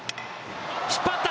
引っ張った！